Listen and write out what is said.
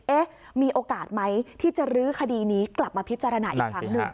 มีโอกาสไหมที่จะรื้อคดีนี้กลับมาพิจารณาอีกครั้งหนึ่ง